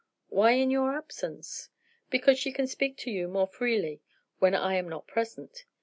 "Why in your absence?" "Because she can speak to you more freely, when I am not present.